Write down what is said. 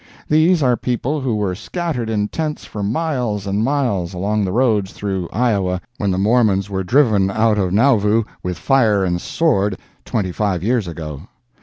These are people who were scattered in tents for miles and miles along the roads through Iowa when the Mormons were driven out of Nauvoo with fire and sword, twenty five years ago.